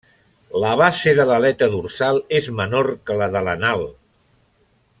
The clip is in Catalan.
La base de l'aleta dorsal és menor que la de l'anal.